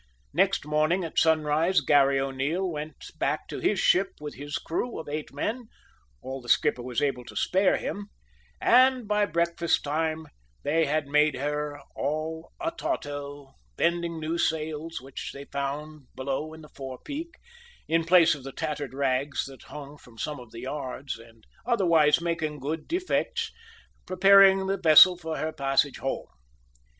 Next morning at sunrise Garry O'Neil went back to his ship with his crew of eight men all the skipper was able to spare him and by breakfast time they had made her all atauto, bending new sails, which they found below in the forepeak, in place of the tattered rags that hung from some of the yards, and otherwise making good defects, preparing the vessel for her passage home.